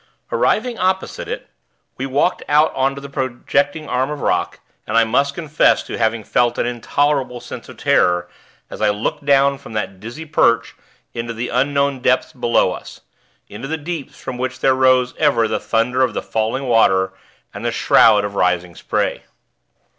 Arriving opposite it, we walked out on to the projecting arm of rock, and I must confess to having felt an intolerable sense of terror as I looked down from that dizzy perch into the unknown depths below us into the deeps from which there rose ever the thunder of the falling water and the shroud of rising spray.